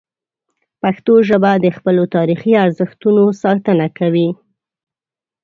پښتو ژبه د خپلو تاریخي ارزښتونو ساتنه کوي.